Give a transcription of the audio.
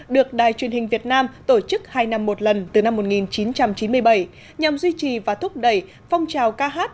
được đài truyền hình việt nam tổ chức hai năm một lần từ năm một nghìn chín trăm chín mươi bảy nhằm duy trì và thúc đẩy phong trào kh